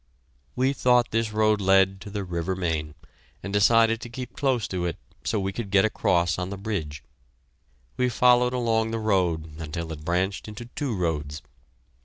We thought this road led to the river Main, and decided to keep close to it so we could get across on the bridge. We followed along the road until it branched into two roads.